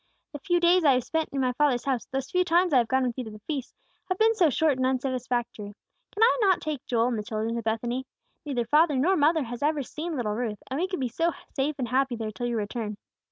The few days I have spent in my father's house, those few times I have gone with you to the feasts, have been so short and unsatisfactory. Can I not take Joel and the children to Bethany? Neither father nor mother has ever seen little Ruth, and we could be so safe and happy there till your return."